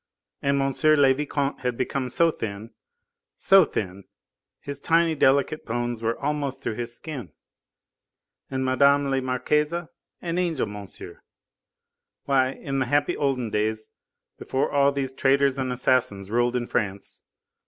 and M. le Vicomte had become so thin, so thin, his tiny, delicate bones were almost through his skin. And Mme. la Marquise! an angel, monsieur! Why, in the happy olden days, before all these traitors and assassins ruled in France, M.